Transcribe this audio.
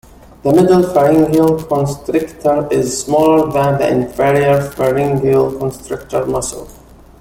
The middle pharyngeal constrictor is smaller than the inferior pharyngeal constrictor muscle.